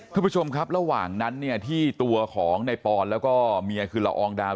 คุณผู้ชมครับระหว่างนั้นเนี่ยที่ตัวของในปอนแล้วก็เมียคือละอองดาว